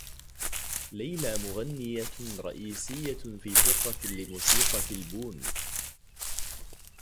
ليلى مغنّية رئيسيّة في فرقة لموسيقى البونك.